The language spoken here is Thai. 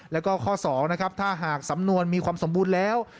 แล้วก็ข้อ๒นะครับถ้าหากสำนวนมีความสมบูรณ์แล้ว